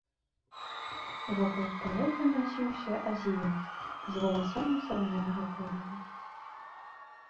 Вакол паэта насіўся азіят з валасамі саламянага колеру.